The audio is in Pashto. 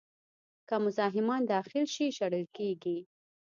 که مزاحمان داخل شي، شړل کېږي.